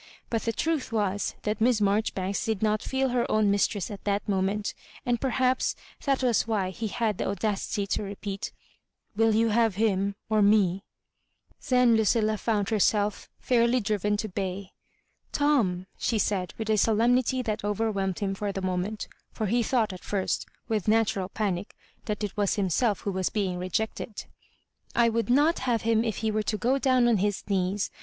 But the truth was, that Miss Mar joribanks did not feel her own mistress at that moment, and perhaps that was why he had the audadty to repeat, " Will you have him or me ?" Then Lucill» found herself fairly driven to bay. " Tom 1 " she said, with a solemnity that overwhelmed him for the moment, for he thought at first, with natural panic, that it was himself who was being rejected, " I would not have him if he were to go down on his knees.